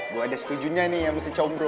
gue ada setujunya nih sama si somro